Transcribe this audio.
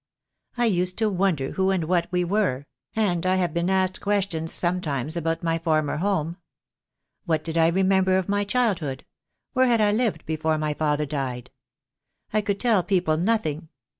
I used to wonder who and what we were; and I have been asked questions sometimes about my former home. What did I remember of my childhood? Where had I lived before my father died? I could tell people nothing.